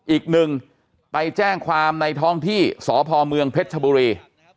อีกหนึ่งไปแจ้งความในท้องที่สพเมืองเพชรชบุรี